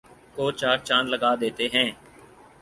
کو چار چاند لگا دیتے ہیں